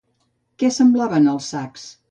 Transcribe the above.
Què semblaven els sacs?